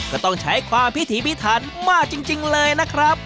ก็ต้องใช้ความพิถีพิถันมากจริงเลยนะครับ